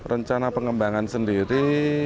rencana pengembangan sendiri